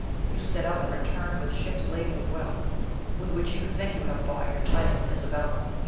You set out, and returned with ships laden with wealth, with which you think you have bought your title to Isabella.